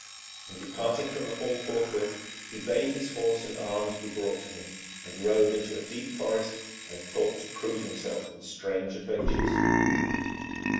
And departing from the hall forthwith, he bade his horse and arms be brought to him, and rode into a deep forest, and thought to prove himself in strange adventures.